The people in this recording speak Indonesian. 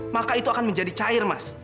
maka itu akan menjadi cair mas